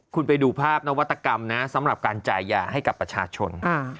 คุณไปดูภาพนวัตกรรมนะสำหรับการจ่ายยาให้กับประชาชน